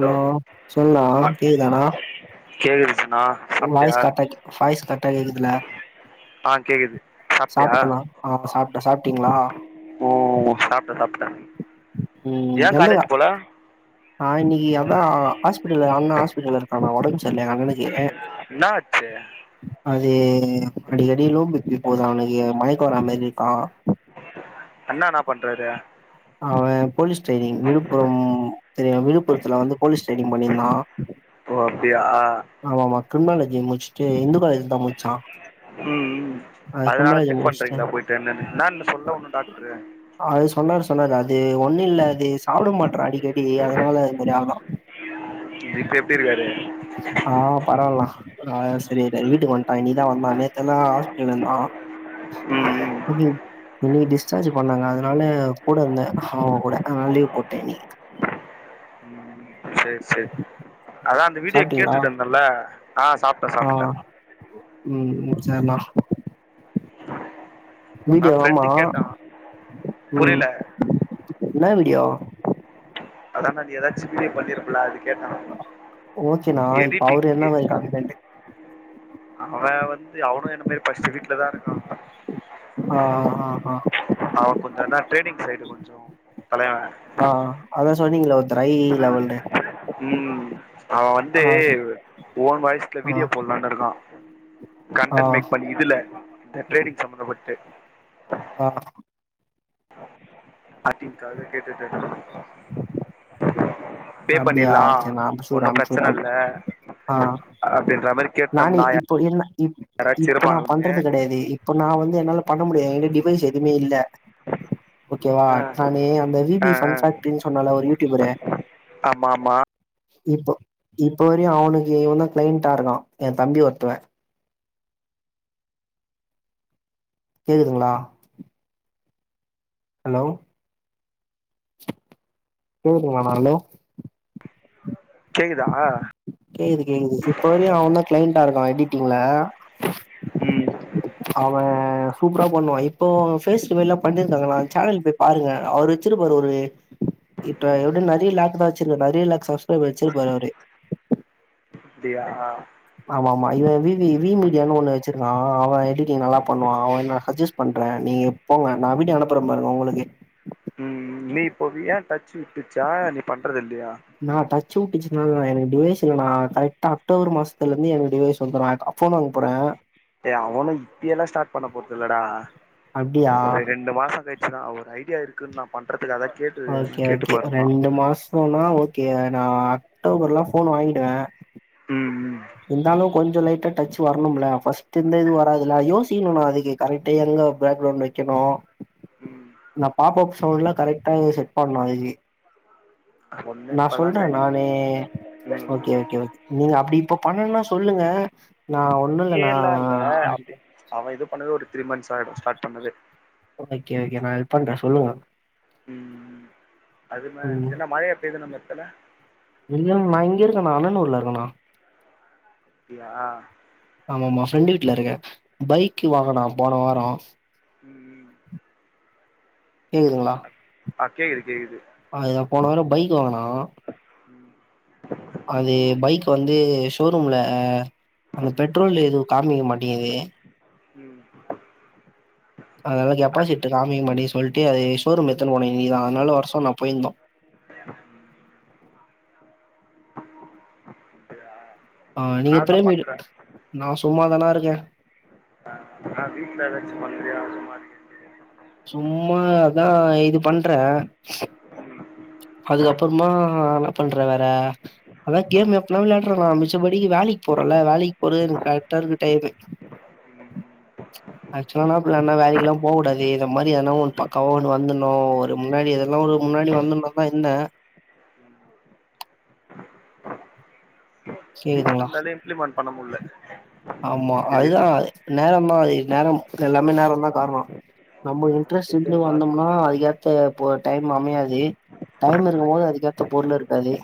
low சொல்ணா மா கேக்குதாண்ணா கேக்குது சிஸ் னா சாப்ட்டியா வாய்ஸ் கரெக்டா வாய்ஸ் கரெக்டா கேக்குதுல ஆஹ் கேக்குது சாப்ட்டியா சாப்ட்டனா ஆ சாப்ட்டே சாப்ட்டீங்களா ஹு ஹு சாப்டே சாப்ட்டே ஏன் காலேஜ் போல ஆஹ இன்னிக்கு அதா ஹாஸ்பிடல்ல அண்ணா ஹாஸ்பிடல் இருக்கானா வொடம்பு செர்ல எங் அண்ணனுக்கு என்ன ஆச்சு அது ஹ் அடிக்கடி லோ பீப் பி போதா அவனுக்கு மயக்கோ வர மாரி இருக்கா அண்ணா என்னா பண்றாரு அவ போலீஸ் ட்ரைனிங் விழுப்புரம் தெரியு விழுப்புரத்துல வந்து போலீஸ் ட்ரைனிங் பண்ணியிருந்தா ஓ அப்டியா கிரும்னாலேஜி முடிச்ட்டு இந்து காலேஜ்ல தா முச்சா ம் ம் அதனால செக் பண்றீங்களா போயிட்டு என்னனு ன்னான்னு சொல்ல வுண்ணும் டாக்டரு அது சொன்னாரு சொன்னாரு அது ஒண்ணில்ல அது சாப்ட மாற்றா அடிக்கடி அதனால அது மாரி ஆவுதா இப்ப எப்டி இருக்காரு ஆஹ் பரவால்னா ஆஹ் செரியாய்டா வீட்டுக் வன்ட்டா இன்னிக் தா வந்தா நேத்தெல்லா ஹாஸ்பிட்டல்ல இந்தா உம் ஹ்ம் இன்னிக்கு டிஸ்ச்சார்ஜ் பண்ணா அதனால கூட இருந்தே அவங் கூட அத்னால லீவ் போட்டே இன்னிக் ம் சேர் சேர் அதா அந்த வீடியோ சாப்ட்டீங்களா கேட்டுட்டு இருந்தன்ல்ல ஆஹ் சாப்ட்டே சாப்ட்டே உம் ம் சேர்ணா அதா வீடியோ ஆமா ஃப்ரெண்டு கேட்டா ம் புரியல ன்னா வீடியோ அதான்டா நீ ஏதாச்சு வீடியோ பேட் பண்ணிருப்ல அத கேட்ட ஓகேணா இப்ப அவரு என்ன மாறி இருக்காருன் [unintelligible] அவே வந் து அவனு என்ன மாரி படிச்ட்டு வீட்லா தா இருக்கா ஆ ஆ ஆ அவ கொஞ்சோ நாள் ட்ரேடிங் சைடு கொஞ்சோ தலைவ ஆ அதா சொன்னீங்களே ஒருத்தரை உம் அவ வந்து ஆ ஓன் வாய்ஸ்ல ஆ வீடியோ போட்லான் இருக்கா ஆ கண்டன்ட் மேக் பண்ணி இதுல இந்த ட்ரேடிங் சம்பந்தப்பட்டு ஆஹ் ஆக்டிங்காக கேட்டுட்ருக்கா அப்டியா சர் நா அம்சூர அம்சூர இல்லை ஆஹ் அப்படின்ற மாதிரி நானே கேட்டோம்னா இப்போ என்ன இப் யாராச்சும் இப்ப நா இருப்பாங்களான்னு பண்றது கெடையாது இப்ப நா வந்து என்னால பண்ண முடியாத் எங்கிட் டிவைஸ் எதுமே இல்ல ஓ கேவா ஆ நானு அந்த வி ஆ பி ஃபன் ஃபேக்ட்ரின் சொன்னல ஒரு யூடியூபரு ஆம்மா ஆம்மா இப்போ இப்ப வரையு அவனுக் இவன்தா க்ளைண்ட்டா இருக்கா எ தம்பி ஒருத்தவ கேக்குதுங்களா ஹலோ கேக்குதுங்ளாணா ஹலோ கேக்குதா கேக்து கேக்து இப்ப வரையு அவ தா க்ளைண்ட்டா இருக்கா எடிட்டிங்ல ம் அவ சூப்ரா பண் பண்ணுவா இப்போ ஃபேஸ் ரிவீல்லா பண்ணிருக்காங்க அவ சேனல் போய் பாருங்க அவர் வைச்சூருப்பாரு ஒரு இப்ப எப்டியு நெறைய லேக் தா வச்சிருக்கரு நெறைய லேக்ஸ் சப்ஸ்க்ரைபர் வச்சிருப்பாரு அவரு ட்டியா ஆமாமா இவ விவி வி மீடியானு ஒண்ணு வச்சிருந் ஆ அவ எடிட்டிங் நல்லா பண்ணுவா அவ நா அஜஸ் பண்ற நீங்க போங்க நா வீடியோ அனுப்புற பாருங்க உங்களுக்கு ம் ம் நீ போவியா டச் விட்ருச்சா நீ பண்றதில் நா டச் சு பிச் நால எனக்கு டிவைஸ் இல்லனா கரெக்டா அக்டோபர் மாசத்துலருந்து எனக்கு டிவைஸ் வந்துரு எனக் அ ஃபோன் வாங்க போற டே அவுனு இப்பியேலா ஸ்டாட் பண்ண போறதில்லடா அப்டியா ஒரு ரெண்டு மாசங்கழிச்சுதா ஒரு ஐடியா இருக்குன்னா பண்றது ஓகே ஓகே ரண்டு மாசனா ஓகே நா அக்டோபர்லா ஃபோன் வாங்கிடுவ ம் ம் இந்தாலு கொஞ்சோ லைட்டா டச் வரணும்ல ஃபர்ஸ்ட் இந்த இது வராதுல யோசிக்கணுனா அதுக்கு கரெக்டா எங்க பேக்ரவுண்ட் வெக்கணு ம் நா பாப் அப் சவுண்ட்லா கரெக்டா செட் பண்லா இதுலயே ஒண்ணு நா இப்பல்லா சொல்ற டைம் நானு ம் ஓகே ம் ஓகே ஓகே நீங்க அப்டி பண்ணணுனா சொல்லுங்க நா ஒண்ணு இல்ல நா டியேலா இல்ல அப்டி அவ இது பண்ணது ஒரு த்ரீ மந்த்ஸ் ஆயிடு ஸ்டாட் பண்ணதே ஓகே ஓகே நா ஹெல்ப் பண்ற சொல்லுங்க அதும ம் என்ன மழையா பெய்து நம்ம எடத்துல இல்ல நா இங்கருக்கனா அண்ணனூர்ல இருக்கண்ணா அப்டியா ஆமாமா ஃப்ரெண்டு வீட்ல இருக்கே பைக் வாங்குனா போன வார ம் ம் கேக்குதுங்களா ஆ கேக்குது கேக்குது அதுல போன வார பைக் வாங்குனா அது பைக் வந்து ஷோரூம்ல அந்த பெட்ரோல் இது காமிக்க மாட்டிங்குது ம் அதனால அது கெபாசிட்டு காமிக்க மாட்டேங்குது சொல்லிட்டு அது ஷோரூம் எத்துனு போன இன்னிக்குதா அதனால வர சொன்னா போயிருந்தோ க்கு அப்டியா அ நீங்க பிரேம்கிட்ட நா சும்மாதானா இருக்கே ஆ என்ன வீட்ல எதாச்சு பண்றியா சம்பாரிக்கறக்கு சும்மா தா இது பண்ற அதுக்கப்பறமா என்ன பண்ற வேற அதா கேம் எப்பனா விளையாடறனா மிச்சபடி வேலைக் போறல வேலைக்கு போறது எனக்கு கரெக்டா இருக்கு டைமு ஆக்சுலா இனா ப்ளேன்னா வேலைக்லா போ கூடாது இந்த மாரி எதனா ஒன்னு பக்காவா ஒன்னு வந்துணு ஒரு முன்னாடி எதுனா ஒரு முன்னாடி வந்ருந்தப்ப இல்ல வீட்ல இருந்தாலே இம்ப்ளிமெண்ட் பண்ண முல்ல ஆமா அதுதா திடீர்னு அது நேரந்தா அது நேரம் எல்லாமே நேரந்தா காரண நம்ம மைண்ட் இன்ட்ரெஸ்ட் செட்டே இருந்து மாத் வந்தம்னா அதுக்கேத்த ஒரு டைம் அமையாது டைம் இருக்கும்போது அதுக்கேத்த பொருள் இருக்காது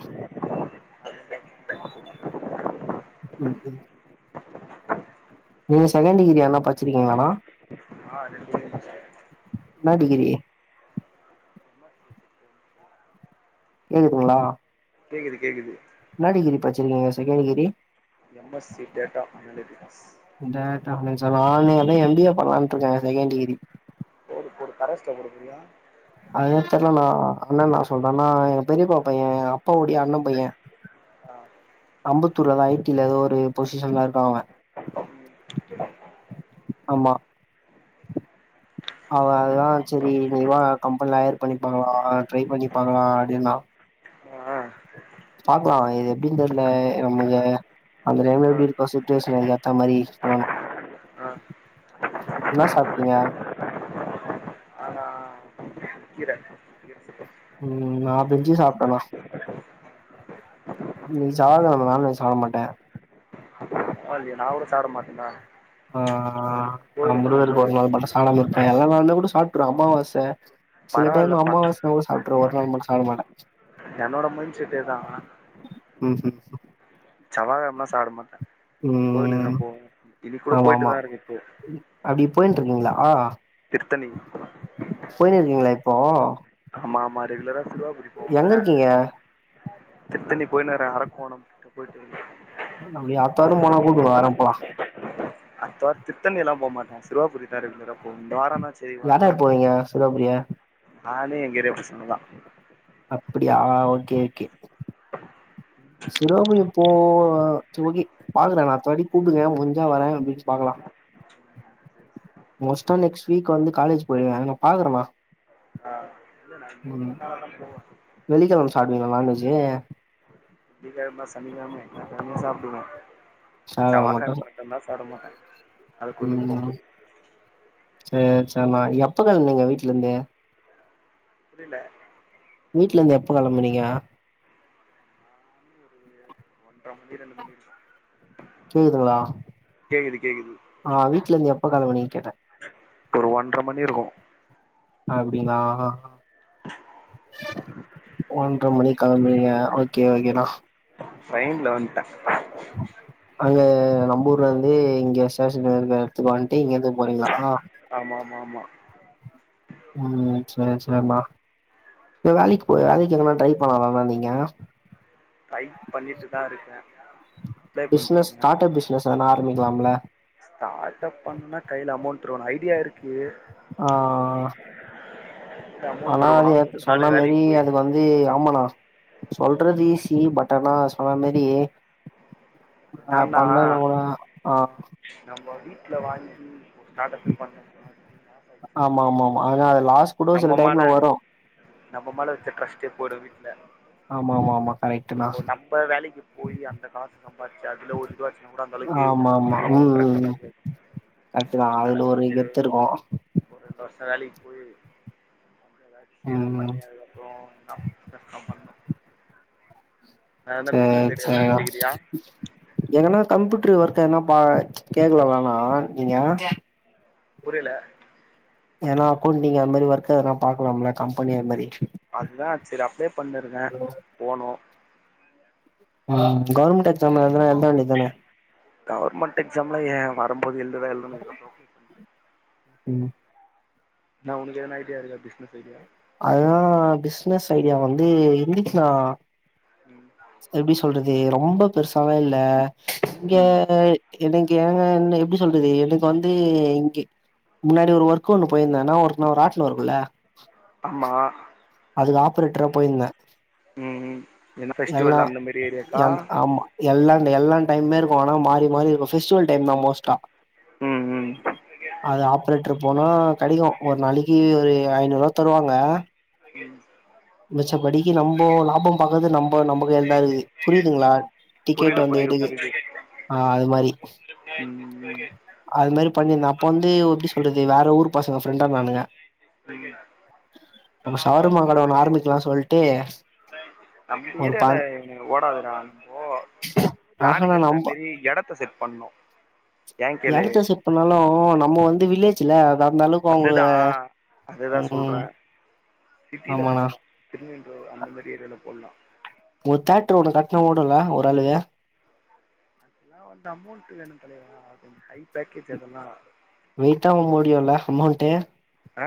புரியல ம் ம் நீங்க செகண்ட் டிகிரி எதனா படிச்சுருக்கிங்ளானா ஆ ரெண்டு டிகிரி முடிச்ச என்னா டிகிரி கேக்குதுங்ளா கேக்குது கேக்குது என்னா டிகிரி படிச்சிருக்கிங்க second degree M S C data analytics data சைன்ஸா நானு [unintelligible] எம்பிஏ பண்லான்ட்டுருக்கே செகண்ட் டிகிரி போடு போடு கரஸ்ல போடு சரியா அதுதா தெர்ல நா அண்ண என்னா சொல்றான்னா எங்க பெரியப்பா பைய எங் அப்பாவோடைய அண்ண பைய ஆ அம்பத் துர் ஐடில எதோ ஒரு பொசிஷன்ல இருக்கா அவ ஆமா அவ அதுதா சரி நீவா கம்பெனில ஹையர் பண்ணிப்பாங்கள ட்ரை பண்ணிப்பாக்களா அப்டின்னா ஆ பாக்கலா இது எப்டினு தெரில நம்மங்க அந்த டைம்ல ஆ எப்டி இருக்கோ சுட்சுவேஷனுக் அதுக்கு ஏத்த மாரி பண்ணனு ஆ என்னா சாப்ட்டீங்க ஆனா கீர ம் நான் பிரிஞ்சி சாப்ட்டனா இன்னைக்கு செவ்வா கிழம நான் வெஜ் சாப்ட மாட்ட பரவால்லயே நா கூட சாப்ட மாட்டேன்டா ஆ ஆ ஆ நா கோயிலுக்கு போவ முருகருக்கு ஒரு நாள் மட்டு சாப்டாமா இருப்பே எல்லா நாளுமே கூட சாப்ட்ருவே அம்மாவாசே சில டைம் பரவாயில்லப்பா அம்மாவாச கூட சாப்ட்றவ ஒரு நாள் மட்டு சாப்ட மாட்டே என்னோட மைண்ட் செட்டேதா ம் செவ்வாகெழமனா சாப்ட மாட்டே கோயிலுக்கு தா ம் போவ இன்னைக்கு கூட ஆமா போயிட்டு ஆமா தா இருக்கே இப்போ அப்டி போயின்ட்டு இருக்கீங்களா திருத்தணி போயின்னு இருக்கீங்களா இப்போ ஆமா ஆமா ரெகுலரா சிருவாபுரி போவ எங்க இருக்கீங்க திருத்தண்ணி போயின்கினு இருக்கற அரக் கோணம் கிட்டு போயிட்டு [inaudible] நம் அத்தாவாரா போனா கூப்டுங்க வர போலா அடுத்தவாரோ திருத்தண்ணி எல்லா போமாட்டன் சிருவாபுரி தா ரெகுலரா போவே இந்த வாரோ நா யாரார் போறிங்க சிருவாபுரி நானு எங்கேரியா பசங்கதா அப்டியா ஓகே ஓகே சிருவாபுரி போ செரி ஓகே பாக்கற நா அடுத்தவாட்டி கூப்டுங்க மூஞ்சா வர்றப்டின்னு பாக்கலா மோஸ்ட்டா நெக்ஸ்ட் வீக் வந்து காலேஜ் போயிடுவே நா பாக்குறேன்னா ஆ இல்ல நா ஈவினிங் ம் மேலதா போவே வெள்ளிக்கிழம சாப்டுவீங்களா நான்வெஜ்ஜு வெள்ளி கெழெம சனிக்கெழம எல்லா கெழமயு சாப்டுவே செவ்வாகெழம மட்டுதா சாப்ட மாட்டே அது கோயிலுக் போம் ம் போது சேரி சேரிண்ணா எப்ப கெழம்னீங்க வீட்லந்து புரில வீட்லந்து எப்ப கெளம்பனீங்க ஒன்ற மணி ரெண்டு மணி இருக்கு கேக்குதுங்களா கேக்குது கேக்குது ஆ வீட்லந்து எப்ப கெளம்பனீங்கன்னு கேட்ட ஒரு ஒன்றரை மணி இருக்கு அப்டிங்களா ஒன்ற மணிக்கு கெளம்புனிங்க ஓகே ஓகேண்ணே ட்ரையின்ல வன்ட்ட அங்கே நம்பூரலேருந்து இங்கே ஸ்டேஷன் இருக்க எடத்துக்கு வன்ட்டு இங்கேருந்து போறீங்களா ஆமா ஆமா ஆமா ம் ம் செரி செரிணா இ வேலைக்கி போ வேலைக்கி எங்கான ட்ரை பண்ணலாலண்ணா நீங்க ட்ரை பண்ணிட்டு தா இருக்கே அப்லே பிசினஸ் பண்ட்ருக்கே ஸ்டார்ட் அப் பிசினஸ் எதனா ஆரம்பிக்கலாம்ல ஸ்டார்ட் அப் பண்ணுணா கையில அமௌண்ட் வேணு ஐடியா இருக் ஆ கைல ஆனா அமௌண்ட் இருக்கணு அது கொஞ்ச சொன்ன நாள் மேரி வேலைக்கு போய் அது வந்து ஆமாணா சொல்றது ஈ சி பட் ஆனா சொன்ன மாரி ஆ என்னன்னா பண்ணது பூரா நம்ம வீட்ல வாங்கி ஸ்டாடப்பே பண்ண ஆமா ஆமா ஆமா ஆனா அது லாஸ் கூட சில நம்ம டைம்ல மேலே வரு நம்ம மேல வச்ச ட்ரஸ்ட்டே போயிடு வீட்ல ஆமா ஆமா ஆமா கரெக்ட்ண்ணா இப்போ நம்ப வேலைக்கு போய் அந்த காசு சம்பாதிச்சு அதுல ஒரு இதுவாச்சுனா கூட அந்த ஆமா ஆமா ம் ம் கரெக்ட தா அதுல அதனால் ஒரு கெத்து இருக்கு வேலைக்கி போயி எதாச்சி இது ம் பண்ணி அதுக்கப்புறோ பண்ணு செரி செரிண்ணா வச்சுக்கிறியா எங்கன்னா கம்ப்யூட்டரு ஒர்க் க்கணா பா கேக்கலலாணா நீங்க புரியல ஏன்னா அக்கௌண்டிங் அது மாதி ஒர்க் அதெல்லா பாக்கலாம்ல கம்பெனி அது மாரி அதுதா சரி அப்படியே பண்ணிருங்க போனு ம் கவுர்மெண்ட் எக்ஸாம் எதுனா எழுத வேண்டிதானே கவர்மெண்ட் எக்ஸாம் லா ஏ வரும்போது எழுதுத எழு நீங்கட்டு ம் நா உனக்கு ஏதுனா ஐடியா இருக்கா பிசினஸ் ஐடியா அததா பிசினஸ் ஐடியா வந்து இந்திசுனா ம் எப்படி சொல்றது ரொம்ப பெருசாலா இல்ல இங்க ம் என்னை ஏங்க என்ன எப்டி சொல்றது எனக்கு வந்து இங்க முன்னாடி ஒரு ஒர்க் ஒண்ணு போயிருந்த என்னா ஒர்க்னா ராட்டின இருக்குல்ல ஆமா அதுக்கு ஆப்பரேட்டரா போயிருந்த ம் என்ன எல்லா ஃபெஸ்டிவல் அந்த மாரி ஏரியாக்கா ஆமா எல்லா எல்லா டைம் இரு னா மாறி மாறி இருக்கு பெஸிவல் டை தா மோஸ்டா ம் ம் அது ஆப்ரேட்டர் போனா கெடைக்கு ஒரு நாளைக்கு ஒரு ஐநூறுவா தருவாங்க ம் மிச்ச படிக்கு நம்ப லாபம் பாகறது நம் நம்ப கையழதா இருக்குது புரியுதுங்களா புரிது டிக்கெட் வந்து புரிது எடுக்கு புரிது ஆ அது மாரி அது ம் மாரி பண்ணிருந்த அப்ப வந்து எப்டி சொல்றது வேற ஊரு பசங்க ஃப்ரெண்டா னானுங்க ம் அப்ப சருமா கட ஒன்னு ஆரம்பிக்கலா சொல் நம்ப ஏரியால பன் ஓடதுடா இப்போ ஆஹா நா பிளானுக்கேத்த மாரி எடத்த செட் பண்ணு ஏன் கேளு இடத்த செட் பன்னாலு நம்ம வந்து வில்லேஜ்ல அத அந்த அளவுக்கு அவங்க அததா சொல்ற ம் சிட்டியில ஆமாண்ணா போடனு திருநென்றூர் அந்த மாரி ஏரியால போடலா ஒரு தேட்டர் ஒண்ணு கட்ணா ஓடுல ஓர் அளவு அதெல்லா வந்து அமௌண்ட் வேணு தலைவா கொஞ்ச ஹை பேக்கேஜ் அதெல்லா வெய்டா முடியுல அமௌண்ட் ஆ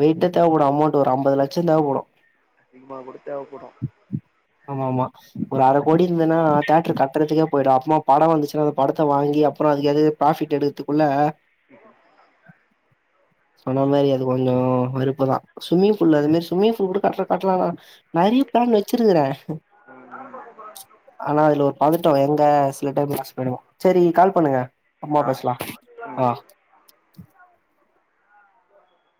வெயிட்டா தேவைப்படு அமௌண்ட் ஒரு அம்பது லட்ச தேவப்படு அதிகமா கூட தேவப்படு ஆமா ஆமா ஒரு அர கோடி இருந்ததுன்னா தேட்டர் கட்டுறதுக்கே போயிடு அப்பமா படம் வந்துச்சுன்னா அந்த படத்த வாங்கி எப்புற அதுக் அதுக்காவது ப்ராஃபிட் எடுக்கதுக்குள்ள [unintelligible] அனா மேரி அது கொஞ்சொ வெருப்பு தா ஸும்மிங் ஃபூல அது மேர் ஸும்மிங் ஃபூ கூட கரட்டா காட்லா நறிய பேன் வெச்சிருகுற ம் ம் ஆனா அதுல ஒரு பாதுர் டோ எங்க சில டைம் வாஷ் பெய்டுவோ செரி கால் பண்ணுங்க அம்மா ஆ பேஸ்லா ம் அ